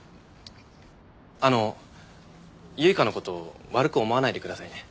あの唯香の事悪く思わないでくださいね。